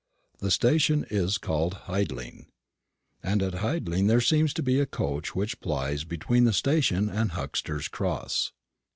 The station is called Hidling; and at Hidling there seems to be a coach which plies between the station and Huxter's Cross.